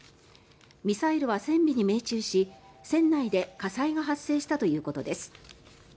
ミサイルは船尾の命中し、船内で火災が発生したということです。